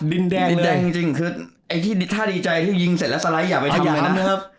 ดินแดงจริงถ้าดีใจยิงเสร็จแล้วสไลด์อย่าไปทำแบบนั้น